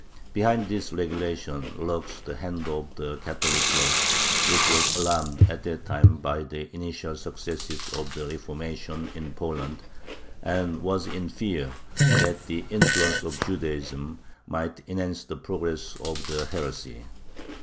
Behind this regulation lurks the hand of the Catholic clergy, which was alarmed at that time by the initial successes of the Reformation in Poland, and was in fear that the influence of Judaism might enhance the progress of the heresy.